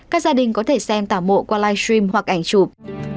các gia đình có thể xem tả mộ qua live stream hoặc ảnh chụp